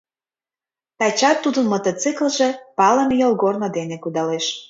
Тачат тудын мотоциклже палыме йолгорно дене кудалеш.